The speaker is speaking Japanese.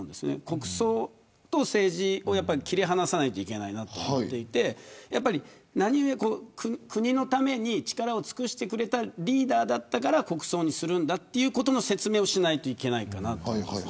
国葬と政治を切り離さないといけないと思っていて国のために力を尽くしてくれたリーダーだったから国葬にするんだということの説明をしないといけないかなと思います。